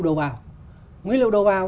đầu vào nguyên liệu đầu vào